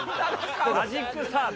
マジックサーブ。